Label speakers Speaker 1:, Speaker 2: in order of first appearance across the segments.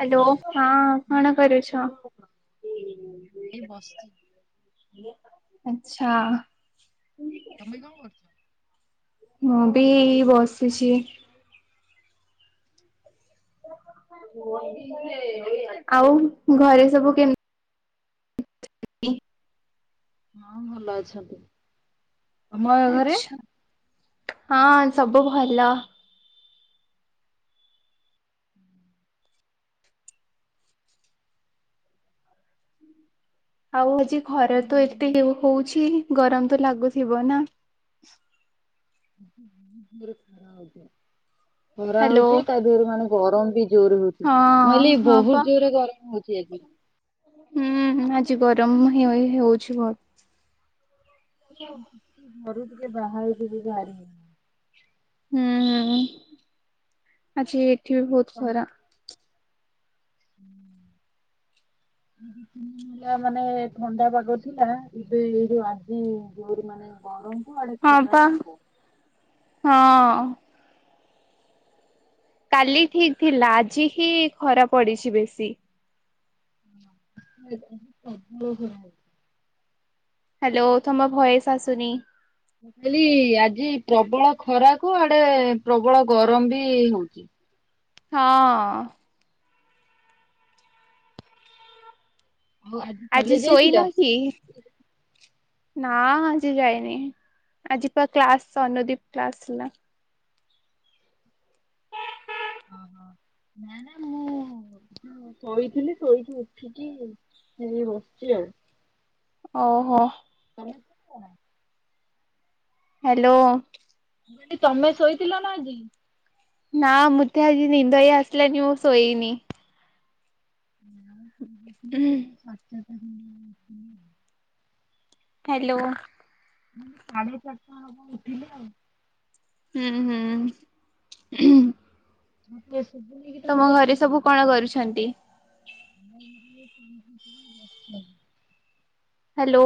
Speaker 1: Hello ହଁ
Speaker 2: ହୁଁ
Speaker 1: କଣ କରୁଛ?
Speaker 2: ମୁଁ ଏଇ ବସିଛି
Speaker 1: ଆଛା
Speaker 2: ତମେ କଣ କରୁଚ?
Speaker 1: ମୁଁ ବିଇ ବସିଛି। ଆଉ ଘରେ ସବୁ କେମତ [unintelligible]
Speaker 2: ହଁ ଭଲ ଅଛନ୍ତି। ତମ
Speaker 1: ଆଛା ହଁ ସବୁ ଭଲ। ଆଉ ହୋଉଛି ଖରା ତ ଏତେ ହଉଛି ଗରମ ତ ଲାଗୁଥିବ ନା।
Speaker 2: ହ ଖରା
Speaker 1: ହ୍ୟାଲୋ
Speaker 2: ହଉଛି ତା ରେ ମାନେ ଗରମ ବି ଜୋରରେ ହଉଛି
Speaker 1: ହଁ
Speaker 2: ମୁକହିଲି
Speaker 1: ହଁ
Speaker 2: ବହୁତ
Speaker 1: ପା
Speaker 2: ଜୋର ରେ ଗରମ ହଉଛି ଆଜି।
Speaker 1: ହୁଁ ଆଜି ଗରମ ହୋଅ ହଉଛି [unintelligible]
Speaker 2: ଘରୁ ଟିକେ ବାହାରୁ ବି ବାହାରିି ହେଉନି।
Speaker 1: ହୁଁ ହୁଁ ଆଜି ଏଠି ବି ବହୁତ
Speaker 2: ତମ
Speaker 1: ଖରା। [inaudible]
Speaker 2: ହୁଁ ମାନେ ଥଣ୍ଡା ପାଗ ଥିଲା ଏବେ ଏଇ ଯୋଉ ଆଜି ଜୋରି ମାନେ କଣ ଗରମ
Speaker 1: ହଁ ପା ହଁ କାଲି ଠିକ ଥିଲା ଆଜି ହିଁ ଖରା ପଡିଛି ବେଶୀ।
Speaker 2: ହଁ ହ ପ୍ରବଳ ଗରମ ହୋଉଛି।
Speaker 1: ହ୍ୟାଲୋ ତମ ଭଏସ ଆସୁନି।
Speaker 2: ହ [inaudible] ମୁଁ କହିଲି ଆଜି ପ୍ରବଳ ଖରାକୁ ଆଡେ ପ୍ରବଳ ଗରମ ବି ହଉଛି।
Speaker 1: ହଁ
Speaker 2: ଆଉ
Speaker 1: ଆଜି
Speaker 2: କଲେଜ୍
Speaker 1: ଶୋଇ
Speaker 2: ଯାଇଥିଲ?
Speaker 1: ନ କି? ନା ଆଜି ଯାଇନି ଆଜି ପ କ୍ଲାସ ଅନୁଦୀପ କ୍ଲାସ ଥିଲା।
Speaker 2: ଓହୋ। ନା ନା ମୁଁ ହଁ ଶୋଇଥିଲି ଶୋଇକି ଉଠିକି ହେ ବସିଛି ଆଉ।
Speaker 1: ଓହୋ
Speaker 2: ତମେ ଶୋଇଛ ନା?
Speaker 1: ହ୍ୟାଲୋ
Speaker 2: ମୁଁ କଲି ତମେ ଶୋଇଥିଲ ନା ଆଜି?
Speaker 1: ନା ମୁଁତେ ଆଜି ନିଦ ହିଁ ଆସିଲାନି ମୁଁ ଶୋଇନି।
Speaker 2: ସଚ ତ [unintelligible]
Speaker 1: ହ୍ୟାଲୋ
Speaker 2: ମାନେ ସାଢେ ଚାରିଟା ହବା ଉଠିଲି ଆଉ।
Speaker 1: ହୁଁ ହୁଁ
Speaker 2: ମତେ ସୁବୁନି କି ତମଁ
Speaker 1: ତମ
Speaker 2: କଥା
Speaker 1: ଘରେ ସବୁ କଣ କରୁଛନ୍ତି?
Speaker 2: [unintelligible]
Speaker 1: ହ୍ୟାଲୋ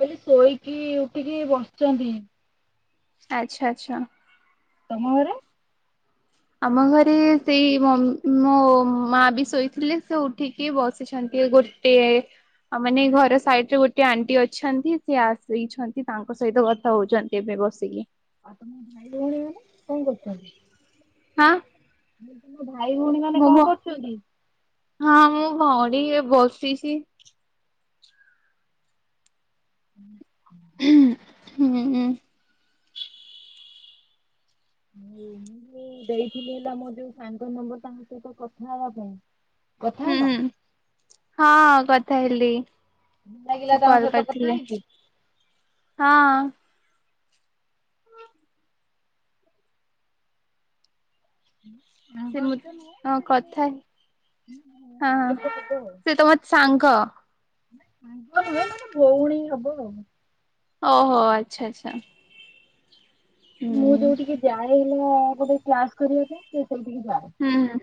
Speaker 2: କହିଲି ଶୋଇକି ଉଠିକି ବସିଛନ୍ତି।
Speaker 1: ଆଚ୍ଛା ଆଚ୍ଛା
Speaker 2: ତମ ଘରେ?
Speaker 1: ଆମ ଘରେ ସେଇ ମୋ ମୋ ମା ବି ଶୋଇଥିଲେ ସେ ଉଠିକି ବସିଛନ୍ତି ଗୋ ଟିଏ ଆଉ ମାନେ ଘର ସାଇଡରେ ଗୋଟିଏ ଆଣ୍ଟି ଅଛନ୍ତି ସେ ଆସିଛନ୍ତି ତାଙ୍କ ସହିତ କଥା ହଉଛନ୍ତି। ଏବେ ବସିକି।
Speaker 2: ଆଉ ତମ ଭାଇ ଭଉଣୀ ମାନେ କଣ କରୁଛନ୍ତି?
Speaker 1: ହଁ।
Speaker 2: ତମ ଭାଇ ଭଉଣୀ ମାନେ କଣ
Speaker 1: ମୁଁ
Speaker 2: କରୁଛନ୍ତି?
Speaker 1: ହଁ ମୋ ଭଉଣୀ ଏ ବସିଛି।
Speaker 2: ହୁଁ [inaudible]
Speaker 1: ହୁଁଁ ହୁଁ।
Speaker 2: ମୁଁ ଯୋଉ ଦେଇଥିଲି ତମର ଯୋଉ ସାଙ୍ଗ ନମ୍ବର ତାଙ୍କ ସହିତ କଥା ହେବା ପାଇଁ
Speaker 1: ହୁଁ
Speaker 2: କଥାହେଲ?
Speaker 1: ହୁଁ ହଁ କଥା ହେଲି
Speaker 2: ଭଲ ଲାଗିଲା
Speaker 1: ସେ
Speaker 2: ତାଙ୍କ
Speaker 1: କଲ
Speaker 2: ସହିତ କଥା
Speaker 1: କରିଥିଲେ।
Speaker 2: ହେଇକି?
Speaker 1: ହଁ। ସେ
Speaker 2: ସାଙ୍ଗ
Speaker 1: ମୁଁ
Speaker 2: ବିତ ନୁହେଁ
Speaker 1: ହଁ
Speaker 2: ସେ ଜଣେ
Speaker 1: କଥା
Speaker 2: ମୋର
Speaker 1: ହଁ
Speaker 2: ଭଉଣୀ ଟାଇପ୍
Speaker 1: ହଁ
Speaker 2: ର ହବ ଆଉ।
Speaker 1: ସେ ତମ ସାଙ୍ଗ?
Speaker 2: ସାଙ୍ଗ ନୁହେଁ ମାନେ ଭଉଣୀ ହବ ଆଉ।
Speaker 1: ଓହୋ ଆଚ୍ଛା ଆଚ୍ଛା।
Speaker 2: ମୁଁ
Speaker 1: ହୁଁ।
Speaker 2: ଯୋଉଠିକି ଯାଏ ମୁଁ ଗୋଟେ କ୍ଲାସ କରିବା ପାଇଁ ସେ ସେଇଠିକି ଯାଏ।
Speaker 1: ହୁଁ ହୁଁ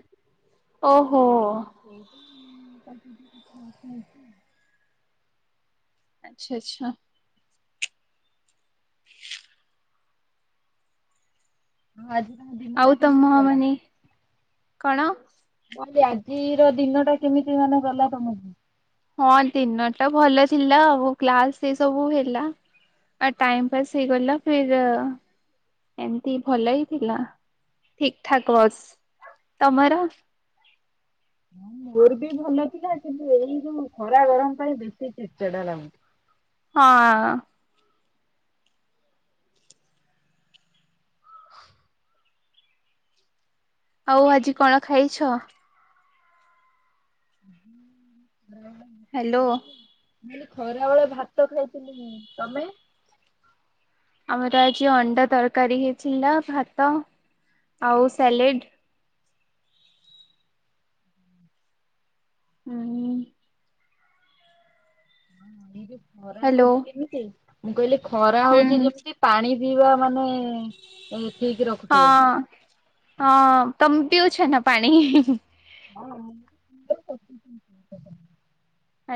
Speaker 1: ଓହୋ।
Speaker 2: [unintelligible]
Speaker 1: ଆଚ୍ଛା ଆଚ୍ଛା। [inaudible]
Speaker 2: ହଁ ଆଜି ତମ
Speaker 1: ଆଉ
Speaker 2: ଦିନଟା
Speaker 1: ତମ
Speaker 2: କେମିତି ଗଲା?
Speaker 1: ମାନେ କଣ?
Speaker 2: ମୁଁ କହିଲି ଆଜିର ଦିନ ଟା କେମିତି ମାନେ ଗଲା ତମର?
Speaker 1: ହଁ ଦିନ ଟା ଭଲ ଥିଲା ଆଉ କ୍ଲାସ ସେସବୁ ହେଲା। ଆ ଟାଇମ ପାସ୍ ହେଇ ଗଲା ଫିର ଏମିତି ଭଲ ହି ଥିଲା ଠିକ ଠାକ ବସ୍ ତମର
Speaker 2: ମୋର ବି ଭଲ ଥିଲା କିନ୍ତୁ ଏଇ ଯୋଉ ଖରା ଗରମ ପାଇଁ ବେଶୀ ଚିଡଚିଡା ଲାଗୁଛି।
Speaker 1: ହଁ। ଆଉ ଆଜି କଣ ଖାଇଛ?
Speaker 2: ହଁ [inaudible]
Speaker 1: ହ୍ୟାଲୋ।
Speaker 2: ମୁ କହିଲି ଖରା ବେଳେ ଭାତ ଖାଇଥିଲି ତମେ?
Speaker 1: ଆମର ଆଜି ଅଣ୍ଡା ତରକାରୀ ହେଇଥିଲା ଭାତ ଆଉ ସାଲେଡ଼। ହୁଁ।
Speaker 2: ଏଇ ଯୋଉ ଖରା
Speaker 1: ହ୍ୟାଲୋ
Speaker 2: ହଉଛି ଯେମିତି ମୁଁ କହିଲି ଖରା
Speaker 1: ହୁଁ
Speaker 2: ହଉଛି
Speaker 1: ହୁଁ
Speaker 2: ଯେମିତି ପାଣି ପିଇବା ମାନେ ହୁଁ ଏଇଠିକ ରଖୁଥିବ।
Speaker 1: ହଁ ହଁ ତମେ ପିଉଛ ନା ପାଣି?
Speaker 2: ହଁ।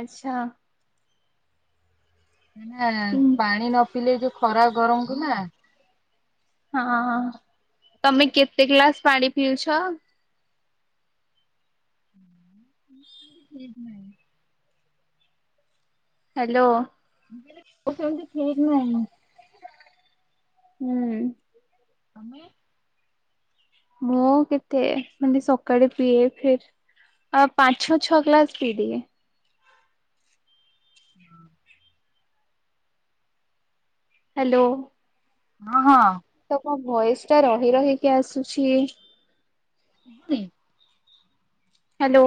Speaker 1: ଆଚ୍ଛା।
Speaker 2: ନା ପାଣି ନ ପିଇଲେ ଯୋଉ ଖରା ଗରମକୁ ନା
Speaker 1: ହଁ ହଁ। ତମେ କେତେ ଗ୍ଲାସ ପାଣି ପିଉଛ?
Speaker 2: ଏଇଠି ନାଇଁ।
Speaker 1: ହ୍ୟାଲୋ।
Speaker 2: ସେମିତି ଠିକ୍ ନାହିଁ।
Speaker 1: ହୁଁ।
Speaker 2: ଆମେ
Speaker 1: ମୁଁ କେତେ ମାନେ ସକାଳେ ପିଏ ଫ ଆ ପାଞ୍ଚ ଛଅ ଛଅ ଗ୍ଲାସ ପୀଦିଏ। ହାଲୋ।
Speaker 2: ହଁ ହଁ।
Speaker 1: ତମ ଭଏସ୍ ଟା ରହି ରହିକି ଆସୁଛି।
Speaker 2: ଶୁବୁନି?
Speaker 1: ହାଲୋ।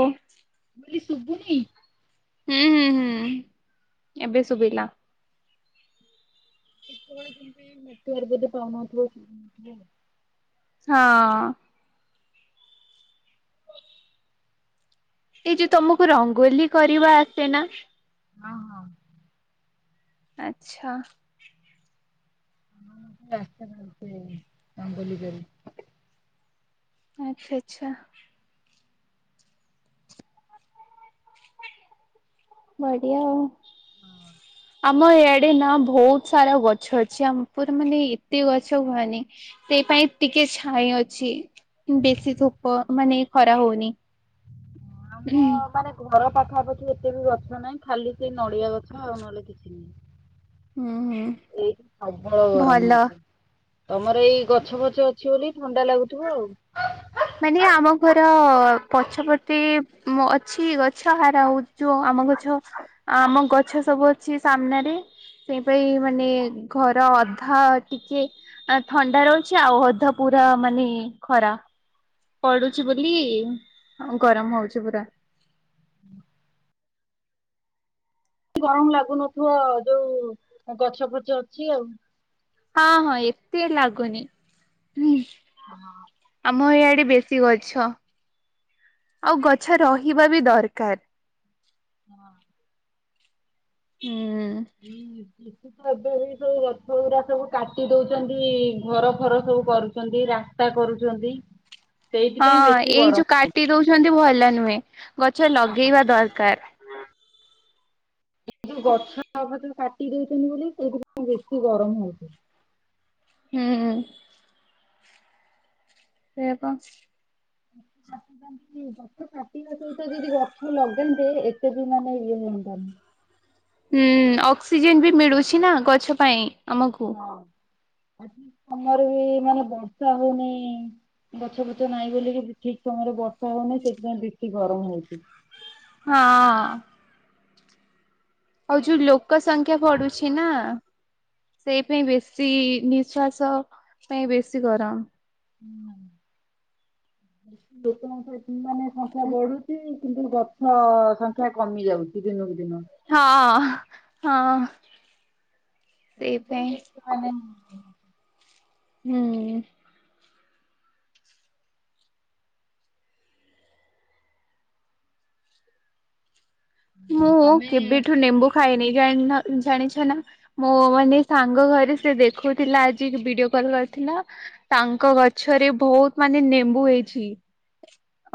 Speaker 2: ମୁଁ କଇଲି ଶୁବୁନି?
Speaker 1: ହୁଁ ହୁଁ ହୁଁ ଏବେ ଶୁବିଲା।
Speaker 2: କେତବେଳେ କେମିତି ନେଟୱର୍କ ବୋଧେ ପାଉନଥିବ କି ହଉନଥୁବ।
Speaker 1: ହଁ। ଏଇ ଯୋଉ ତମୁକୁ ରଙ୍ଗୋଲି କରିବା ଆସେ ନା?
Speaker 2: ହଁ ହଁ।
Speaker 1: ଆଚ୍ଛା।
Speaker 2: ହଁ ମତେ ଆସେ ରଙ୍ଗୋଲି କରି।
Speaker 1: ଆଚ୍ଛା ଆଚ୍ଛା ‌। ବଢିଆ ଆଉ। ଆମ ଇଆଡେ ନା ବହୁତ ସାରା ଗଛ ଅଛି ଆମ ପୁର ମାନେ ଏତେ ଗଛ କୁହନି। ସେଇ ପାଇଁ ଟିକେ ଛାଇ ଅଛି। ବେଶୀ ଧୂପ ମାନେ ଖରା ହଉନି।
Speaker 2: ଆମ ମାନେ ଘର ପାଖାପାଖି ଏତେ ବି ଗଛ ନାହିଁ। ଖାଲି ସେଇ ନଡିଆ ଗଛ ଆଉ ନହେଲେ କିଛି
Speaker 1: ହୁଁ ହୁଁ
Speaker 2: ନାହି। ଏଇଠି ପ୍ରବଳ
Speaker 1: ଭଲ
Speaker 2: ଗରମ ହଉଛି। ତମର ଏଇ ଗଛ ଫଛ ଅଛି ବୋଲି ଥଣ୍ଡା ଲାଗୁଥୁବ ଆଉ।
Speaker 1: ମାନେ ଆମ ଘର ପଛପଟେ ଅଛି ଗଛ ହାରା ହଉ ଯୋଉ ଆମ ଗଛ ଆମ ଗଛ ସବୁ ଅଛି ସାମ୍ନାରେ। ସେଇ ପାଇଁ ମାନେ ଘର ଅଧା ଟିକେ ଆଁ ଥଣ୍ଡା ରହୁଛି ଆଉ ଅଧା ପୁରା ମାନେ ଖରା। ପଡୁଛି ବୋଲି ଗରମ ହଉଛି ପୁରା।
Speaker 2: ଗରମ ଲାଗୁନଥୁବ ଯୋଉ ଗଛ ଫଛ ଅଛି ଆଉ।
Speaker 1: ହଁ ହଁ ଏତେ ଲାଗୁନି ହୁ।
Speaker 2: ହଁ ହଁ।
Speaker 1: ଆମ ଇଆଡେ ବେଶୀ ଗଛ ଆଉ ଗଛ ରହିବା ବି ଦରକାର।
Speaker 2: ହଁ।
Speaker 1: ହୁଁ।
Speaker 2: ହୁଁ ହୁଁ। [unintelligible] ବି ସବୁ ରଥଗୁରା ସବୁ କାଟି ଦଉଚନ୍ତି ଘର ଫର ସବୁ କରୁଚନ୍ତି ରା ସ୍ତା କରୁଚନ୍ତି।
Speaker 1: ହଁ ଏଇ ଯୋଉ କାଟି ଦଉଛନ୍ତି ଭଲ ନୁହେଁ ଗଛ ଲଗେଇବା ଦରକାର।
Speaker 2: ଏଇ ଯୋଉ ଗଛ ଫଛ କାଟି ଦଉଚନ୍ତି ବୋଲି ସେଇଥିପାଇଁ ବେଶି ଗରମ ହଉଚି।
Speaker 1: ହୁଁ। ସେଇଆ ପା।
Speaker 2: କାଟୁଛନ୍ତି ଗଛ କାଟିବା ସହିତ ଯଦି ଗଛ ଲଗାନ୍ତେ ଏତେ ବି ମାନେ ଇଏ ହୁଅନ୍ତାନି।
Speaker 1: ହୁଁ ଅକ୍ସିଜେନ ବି ମିଳୁଛି ନା ଗଛ ପାଇଁ ଆମକୁ।
Speaker 2: ହଁ ଆଜି ଆମର ବି ମାନେ ବର୍ଷା ହଉନାଇଁ। ଗଛ ପଛ ନାହିଁ ବୋଲିକି ଠିକ ସମୟରେ ବର୍ଷା ହୋଉନାଇଁ ସେଇଥିପାଇଁ ବେଶୀ ଗରମ ହଉଛି।
Speaker 1: ହଁ। ଆଉ ଯୋଉ ଲୋକ ସଂଖ୍ୟା ବଢୁଛି ନା। ସେଇ ପାଇଁ ବେଶୀ ନିଶ୍ଵାସ ପାଇଁ ବେଶୀ ଗରମ।
Speaker 2: ହୁଁ ଲୋକଙ୍କ ମାନେ ସଂଖ୍ୟା ବଢୁଚି। କିନ୍ତୁ ଗଛ ସଂଖ୍ୟା କମି ଯାଉଚି ଦିନକୁ ଦିନ।
Speaker 1: ହଁ ହଁ ହଁ ସେଇପାଇଁ।
Speaker 2: ହ [inaudible]
Speaker 1: ହୁଁ।
Speaker 2: ହଁ,
Speaker 1: ମୁଁ
Speaker 2: ତମେ
Speaker 1: କେବେଠୁ ନେମ୍ଭୁ ଖାଇନି ଜାଣିନ ଜାଣିଛ ନା? ମୋ ମାନେ ସାଙ୍ଗ ଘରେ ସେ ଦେଖୁଥିଲା ଆଜି ଭିଡିଓ କଲ କରିଥିଲା। ତାଙ୍କ ଗଛରେ ବହୁତ ମାନେ ନେମ୍ବୁ ହେଇଚି।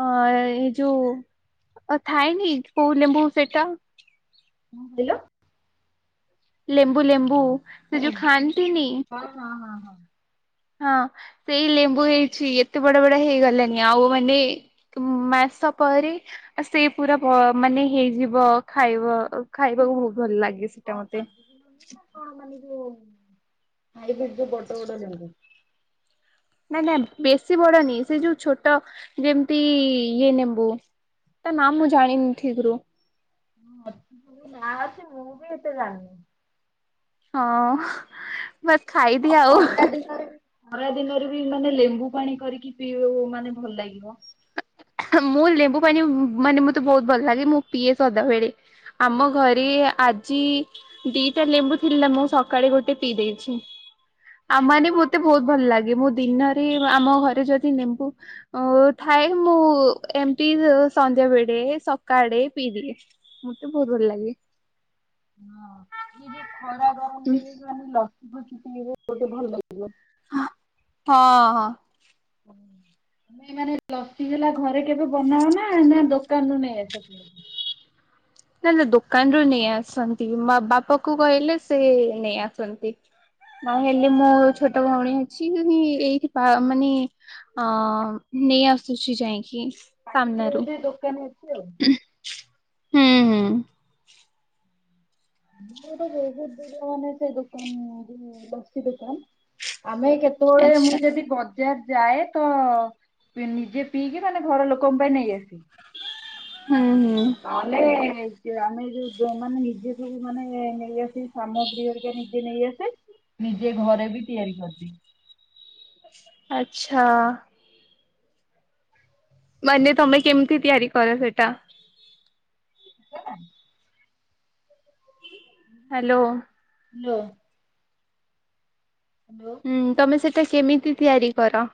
Speaker 1: ଅ ଏଇ ଯୋଉ ଥାଏନି କୋଉ ଲେମ୍ବୁ ସେଟା?
Speaker 2: କିଲୋ?
Speaker 1: ଲେମ୍ବୁ ଲେମ୍ବୁ ସେ ଯୋଉ ଖାଆନ୍ତିନି?
Speaker 2: କଣ କହିଲ ହଁ ହଁ ହଁ ହଁ
Speaker 1: ହଁ ସେଇ ଲେମ୍ବୁ ହେଇଚି ଏତେ ବଡ ବଡ ହେଇଗଲାଣି। ଆଉ ମାନେ ହୁଁ ମାସ ପରେ ଆ ସେ ପୁରା ବ ମାନେ ହେଇଯିବ ଖାଇବ ଖାଇବାକୁ ବହୁତ ଭଲ ଲାଗେ।
Speaker 2: କଣ
Speaker 1: ସେଟା ମତେ
Speaker 2: କାଜୁ ବି ନବୁ ନା କଣ ମାନେ ଯୋଉ, ହାଇବ୍ରିଡ୍ ଯୋଉ ବଡ ବଡ ଲେମ୍ବୁ?
Speaker 1: ନାଇଁ ନାଇଁ ବେଶୀ ବଡନି ସେ ଯୋଉ ଛୋଟ ଯେମିତି ଇଏ ନେମ୍ବୁ। ତା ନାଁ ମୁଁ ଜାଣିନି ଠିକରେ।
Speaker 2: ହଁହାଁ ନାଁ ଅଛି ମୁଁ ବି ଏତେ ଜାଣିନି।
Speaker 1: ହଁ। ବସ୍ ଖାଇ
Speaker 2: ହଁ ଅଲଗା ଦିନରେ ବି ଖରା ଦିନରେ ବି ମାନେ ଲେମ୍ବୁ ପାଣି କରିକି ପିଇବକୁ ମାନେ ଭଲ ଲାଗିବ।
Speaker 1: ମୁଁ ଲେମ୍ବୁ ପାଣି ମାନେ ମତେ ବହୁତ ଭଲ ଲାଗେ ମୁଁ ପିଏ ସଦାବେେଳେ। ଆମ ଘରେ ଆଜି ଦିଟା ଲେମ୍ବୁ ଥିଲା ମୁଁ ସକାଳେ ଗୋଟେ ପିଇ ଦେଇଚି। ଆମ ମାନେ ମତେ ବହୁତ ଭଲ ଲାଗେ ମୁଁ ଦିନରେ ଆମ ଘରେ ଯଦି ଲେମ୍ବୁ ଅ ଥାଏ ମୁଁ ଏମିତି ସନ୍ଧ୍ୟା ବେଳେ ସକାଳେ ପିଇଦିଏ। ମତେ ବହୁତ ଭଲ ଲାଗେ।
Speaker 2: ହଁ ଏଇ ଯୋଉ ଖରା ଗରମ ଦେବେ ଜେ ଲସି ଫସି ପିଇବଗୋଟେ ଭଲ ଲାଗିବ।
Speaker 1: ହଁ ହଁ।
Speaker 2: [inaudible] ଏ ମାନେ ଲସି ହେଲା ଘରେ କେବେ ବନାଅନା ନା ଦୋକାନରୁୁ ନେଇଁ ଆସ?
Speaker 1: ନା ନା ଦୋକାନରୁୁ ନେଇ ଆସନ୍ତୀ। ମା ବାପାଙ୍କୁ କହିଲେ ତ ସେ ନେଇ ଆସନ୍ତି। ନା ହେଲେ ମୋ ଛୋଟ ଭଉଣୀ ଅଛି, ଏଇଥି ଭା ମାନେ ହଁ ନେଇ ଆସୁଚି ଯାଇକି
Speaker 2: ପାଖରେ
Speaker 1: ସାମ୍ନାରୁ।
Speaker 2: ବୋଧେ ଦୋକାନ ଅଛି ଆଉ।
Speaker 1: ହୁଁ ହୁଁ।
Speaker 2: ଆଉ ତ ବହୁତ ଦୂର ମାନେ ସେ ଦୋକାନ ଲସି ଦୋକାନ, ଆମେ କେତେ ତଳେ
Speaker 1: ଆଚ୍ଛା
Speaker 2: ମୁଁ ଯଦି ବ ଯାର ଯାଏ ତ ନିଜେ ପିଇକି ମାନେ ଘର ଲୋକଙ୍କ ପାଇଁ ନେଇ ଆସେ।
Speaker 1: ହୁଁ ହୁଁ।
Speaker 2: ନ ହଲେ ଏ ଆମେ ଯୋଉ ଯୋଉ ମାନେ ନିଜେ ସବୁ ମାନେ ନେଇଆସି ସାମଗ୍ରୀ ହରିକା ନିଜେ ନେଇ ଆସେ ନିଜେ ଘରେ ବି ତିଆରି କରିଦିଏ।
Speaker 1: ଆଛା। ମାନେ ତମେ କେମିତି ତିଆରି କର ସେଇ ଟା?
Speaker 2: କେଜାଣି।
Speaker 1: ହାଲୋ।
Speaker 2: ହାଲୋ। ହାଲୋ।
Speaker 1: ହୁଁ ତମେ ସେଇଟା କେମିତି ତିଆରି କର?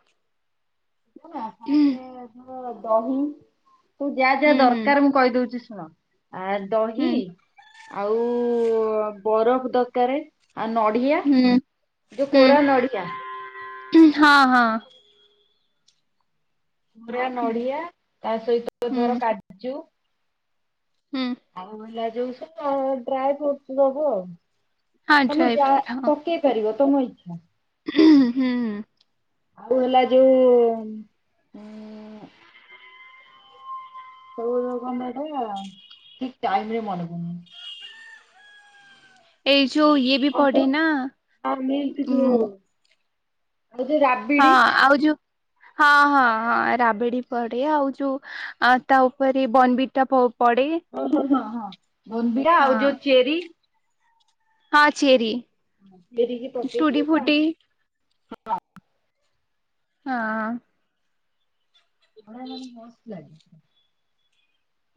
Speaker 2: ମୂ ନା
Speaker 1: ହୁଁ
Speaker 2: ସେ ଧର ଦହି ତୁ ଯାହା ଯାହା
Speaker 1: ହୁଁ।
Speaker 2: ଦରକାର ମୁଁ କହିଦଉଚି ଶୁଣ ଆ ଦହି
Speaker 1: ହୁଁ
Speaker 2: ଆଉ ବରଫ ଦରକାରେ। ହଁ ନଡ଼ିଆ
Speaker 1: ହୁଁ
Speaker 2: ଯୋଉ
Speaker 1: ହୁଁ
Speaker 2: କୋରା ନଡ଼ିଆ।
Speaker 1: ହଁ ହଁ।
Speaker 2: ପୁରା ନଡିଆ ତା ସହିତ
Speaker 1: ହୁଁ
Speaker 2: ଧର କାଜୁ।
Speaker 1: ହୁଁ।
Speaker 2: ଆଉ ହେଲା ଯୋଉ ସବୁ ଡ୍ରଏ ଫ୍ରୁଟସ୍ ଯୋଗୁ ଆଉ
Speaker 1: ହଁ
Speaker 2: ତମେ
Speaker 1: ଡ୍ରାଇ
Speaker 2: ଯା
Speaker 1: ଫ୍ରୁଟ୍
Speaker 2: ପକେଇ ପାରିବ ତମ ଇଚ୍ଛା।
Speaker 1: ଉଁ ହୁଁଉଁ।
Speaker 2: ଆଉ ହେଲା ଯୋଉ ଉଁ ସବୁ କଥାକୁ ଆମେ ଖାଇବା ଠିକ ଟାଇମରେ ମନେ ପଡୁନି।
Speaker 1: ଏଇ ଯୋଉ ଇଏ ବି ପଡେ
Speaker 2: ଅମୁଲ୍
Speaker 1: ନା
Speaker 2: ଆଉ ମିଲ୍କ
Speaker 1: ଉଁ
Speaker 2: ଯୋଉ ଆଉ ଯୋଉ ରା
Speaker 1: ହଁ ଆଉ ଯୋଉ ହଁ ହଁ ହଁ ରାବିଡି ପଡେ ଆଉ ଯୋଉ ଆ ତା ଓପରେ ବନବିଟା ପ-ପଡେ।
Speaker 2: ଓହୋ ହଁ ହଁ ବୋନବିଟା ଆଉ ଯୋଉ ଚେରି।
Speaker 1: ହଁ ଚେରି
Speaker 2: ଚେରିକି ପକେଇକି
Speaker 1: ଟୁଡି
Speaker 2: ତା
Speaker 1: ଫୁଟି ହଁହଁ।
Speaker 2: ପଡିବ ମାନେ ମସ୍ତ ଲାଗିବ।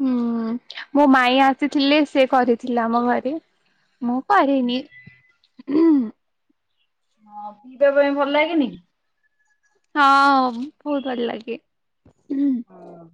Speaker 1: ହୁଁ ମୋ ମାଇଁ ଆସିଥିଲେ ସେ କରିଥିଲେ ମୋ ଘରେ। ମୁଁ କରିନି।
Speaker 2: ହଁ ପିଇବା ପାଇଁ ଭଲ ଲାଗେନି କି?
Speaker 1: ହଁ ବୋହୁତ ଭଲ ଲାଗେ।
Speaker 2: ହଁ।